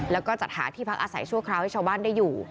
แล้วก็จัดหาที่พักอาศัยชั่วคราวให้ชาวบ้านได้อยู่